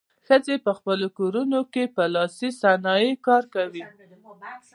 ښځې په خپلو کورونو کې په لاسي صنایعو کار کوي.